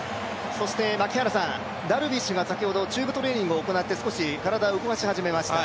そして、ダルビッシュが先ほどチューブトレーニングを行って少し体を動かし始めました。